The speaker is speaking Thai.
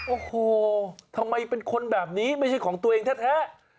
โอ้โหทำไมเป็นคนแบบนี้ไม่ใช่ของตัวเองแท้